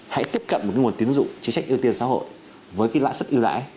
hãy tiếp cận một nguồn tiến dụng chính sách ưu tiên xã hội với cái lãi sức ưu đãi